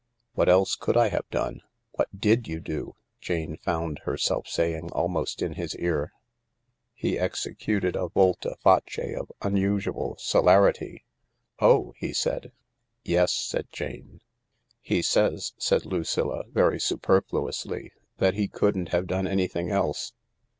What else could I have done ?"" What did you do ?" Jane found herself saying, almost in his ear. He executed a volte face of unusual celerity. "Oh I" he said. " Yes," said Janfe. " He says," said Lucilla, very superfluously, " that he couldn't have done anything else."